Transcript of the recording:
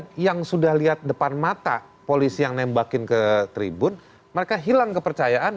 dan yang sudah lihat depan mata polisi yang nembakin ke tribun mereka hilang kepercayaan